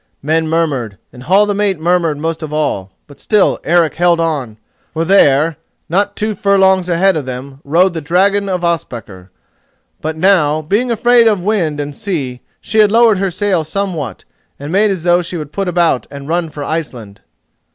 Men murmured, and Hall the mate murmured most of all; but still Eric held on, for there, not two furlongs ahead of them, rode the dragon of Ospakar. But now, being afraid of the wind and sea, she had lowered her sail somewhat, and made as though she would put about and run for Iceland.